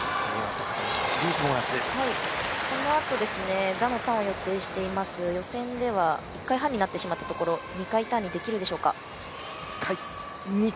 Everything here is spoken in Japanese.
このあと予定しています予選では１回半になってしまったところを２回ターンにできるでしょうか。